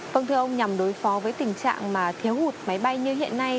vâng thưa ông nhằm đối phó với tình trạng mà thiếu hụt máy bay như hiện nay